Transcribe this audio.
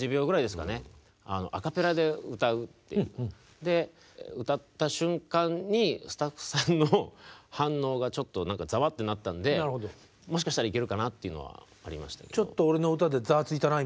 で歌った瞬間にスタッフさんの反応がちょっと何かざわっとなったんでもしかしたらイケるかなっていうのはありましたけど。